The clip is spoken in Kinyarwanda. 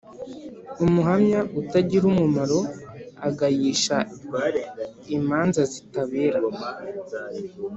umuhamya utagira umumaro agayisha imanza zitabera